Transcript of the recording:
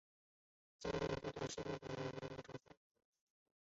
煎土豆是德国饮食中一道常见的配菜。